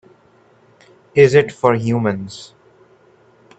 Is it for humans?